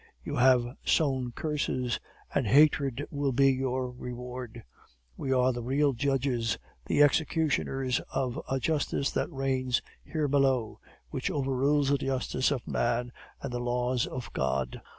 You have sown curses, and hatred will be your reward. We are the real judges, the executioners of a justice that reigns here below, which overrules the justice of man and the laws of God.